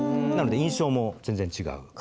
なので印象も全然違う。